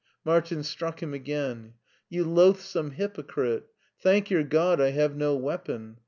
Martin struck him again. " You loathsome hypocrite. Thank your God I have no weapon.